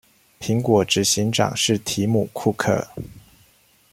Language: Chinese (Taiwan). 蘋果執行長是提姆庫克